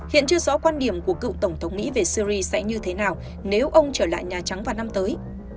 hiện chưa rõ quan điểm của cựu tổng thống mỹ về syri sẽ như thế nào nếu ông trở lại nhà trắng vào năm tới